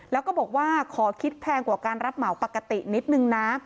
แล้วก็บอกว่าขอคิดแพงกว่าการรับเหมาปกตินิดนึงนะ